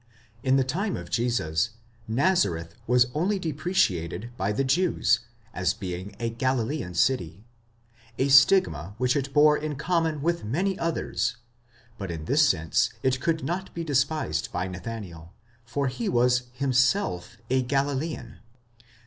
In the time of Jesus, Nazareth was only depreciated by the Jews, as being a Galilean city— a stigma which it bore in common with many others: but in this sense it could not be despised by Nathanael, for he was himself a Galilean (xxi.